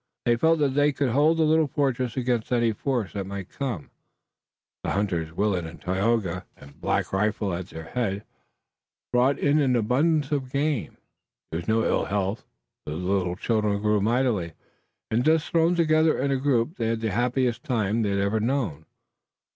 They felt that they could hold the little fortress against any force that might come. The hunters, Willet, Tayoga and Black Rifle at their head, brought in an abundance of game. There was no ill health. The little children grew mightily, and, thus thrown together in a group, they had the happiest time they had ever known.